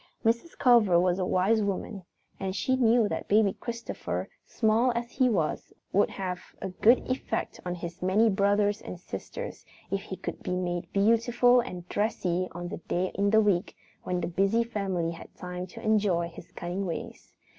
Mrs. Culver was a wise woman, and she knew that Baby Christopher, small as he was, would have a good effect on his many brothers and sisters if he could be made beautiful and dressy on the one day in the week when the busy family had time to enjoy his cunning ways.